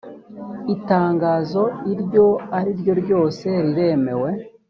itangazo iryo ariryo ryose riremewe